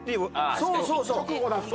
そうそうそう。